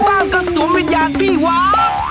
บ้านก็สูงเป็นอย่างพี่หวาน